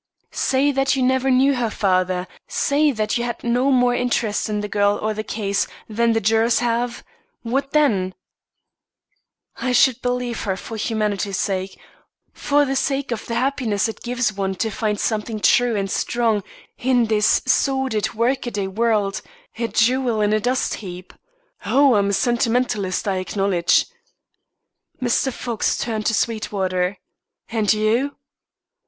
"Say that you never knew her father; say that you had no more interest in the girl or the case, than the jurors have? What then ? "I should believe her for humanity's sake; for the sake of the happiness it gives one to find something true and strong in this sordid work a day world a jewel in a dust heap. Oh, I'm a sentimentalist, I acknowledge." Mr. Fox turned to Sweetwater. "And you?"